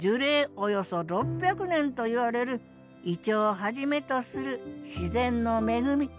およそ６００年といわれるイチョウをはじめとする自然の恵み。